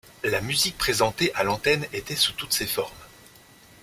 La musique présentée à l'antenne était sous toutes ses formes.